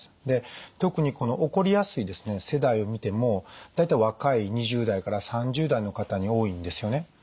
で特にこの起こりやすい世代を見ても大体若い２０代から３０代の方に多いんですよね。